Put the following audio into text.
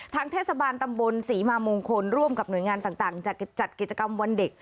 เทศบาลตำบลศรีมามงคลร่วมกับหน่วยงานต่างจัดกิจกรรมวันเด็ก